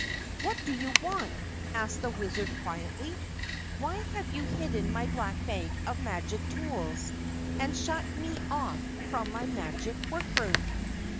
"What do you want?" asked the Wizard quietly. "Why have you hidden my Black Bag of Magic Tools and shut me off from my Magic Workroom?"